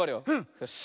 よし。